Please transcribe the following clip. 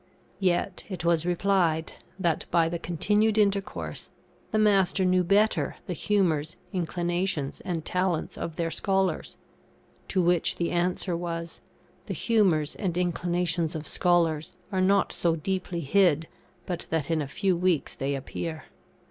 Yet, it was replied, that, by the continued intercourse, the master knew better the humours, inclinations, and talents of their scholars. To which the answer was the humours and inclinations of scholars are not so deeply hid but that in a few weeks they appear.